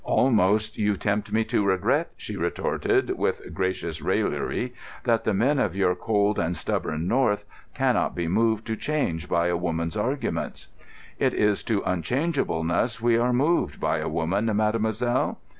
"Almost you tempt me to regret," she retorted, with gracious raillery, "that the men of your cold and stubborn north cannot be moved to change by a woman's arguments." "It is to unchangeableness we are moved by a woman, mademoiselle."